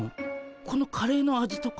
このカレーの味とか？